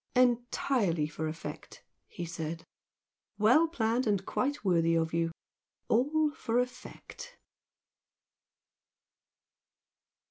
"Entirely for effect!" he said, "Well planned and quite worthy of you! All for effect!"